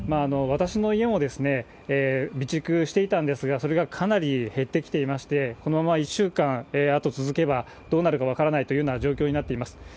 私の家も備蓄していたんですが、それがかなり減ってきていまして、このまま１週間、あと続けば、どうなるか分からないというような状況になっています。